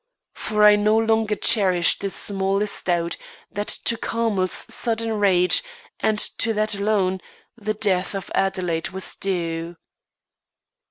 For I no longer cherished the smallest doubt, that to Carmel's sudden rage and to that alone, the death of Adelaide was due.